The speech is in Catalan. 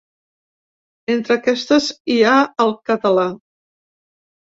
Entre aquestes hi ha el català.